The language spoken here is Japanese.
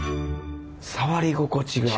触り心地が。